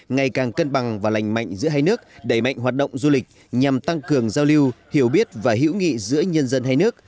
ngày càng cân bằng và lành mạnh giữa hai nước đẩy mạnh hoạt động du lịch nhằm tăng cường giao lưu hiểu biết và hiểu nghị giữa nhân dân hai nước